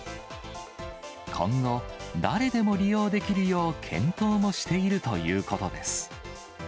今後、誰でも利用できるよう、検討もしているということです。